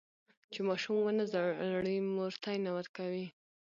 چې ماشوم ونه زړي، مور تی نه ورکوي.